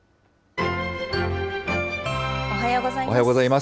おはようございます。